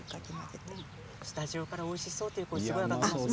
スタジオから、おいしそうという声が出ています。